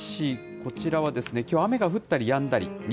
こちらは、きょう雨が降ったりやんだり。